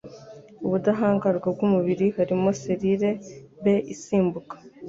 ubudahangarwa bw'umubiri harimo selile B isimbuka